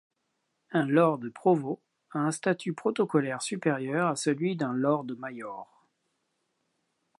Un Lord Provost a un statut protocolaire supérieur à celui d'un Lord Mayor.